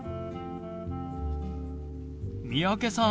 三宅さん